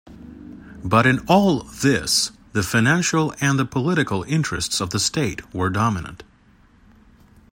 But in all this the financial and political interests of the state were dominant.